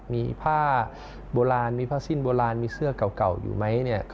มีผ้าโบราณมีผ้าสิ้นโบราณมีเสื้อเก่าอยู่ไหม